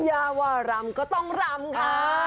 ยาว่ารำก็ต้องรำค่ะ